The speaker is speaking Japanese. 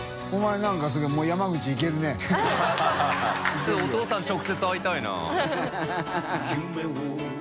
ちょっとお父さん直接会いたいな。